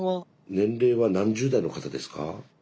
年齢は何十代の方ですか？